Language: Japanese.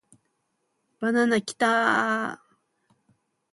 バナナキターーーーーー